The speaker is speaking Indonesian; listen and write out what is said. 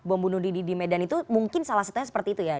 bom bunuh diri di medan itu mungkin salah satunya seperti itu ya